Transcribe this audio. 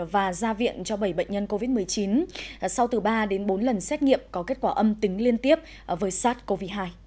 và ra viện cho bảy bệnh nhân covid một mươi chín sau từ ba đến bốn lần xét nghiệm có kết quả âm tính liên tiếp với sars cov hai